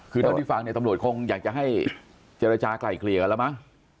คือเท่าที่ฟังเนี่ยตำรวจคงอยากจะให้เจรจากลายเกลี่ยกันแล้วมั้ง